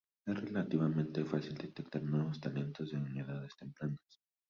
Es relativamente fácil detectar nuevos talentos en edades tempranas.